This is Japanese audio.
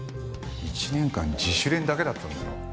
１年間自主練だけだったんだろ？